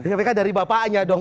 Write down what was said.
mereka dari bapaknya dong